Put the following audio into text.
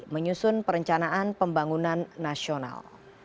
menyusun perencanaan pembangunan nasional